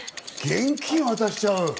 現金、渡しちゃう？